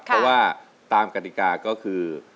เพราะว่าตามกฎิกาก็คือ